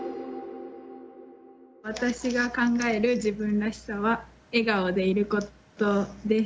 私が考える自分らしさは「笑顔でいること」です。